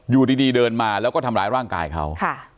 อยู่ดีเดินมาแล้วก็ทำร้ายร่างกายเขา